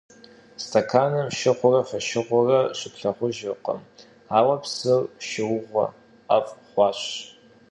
Stekanım şşığure foşşığure şıplhağujjırkhım, aue psır şşıuğe, 'ef' xhuaş.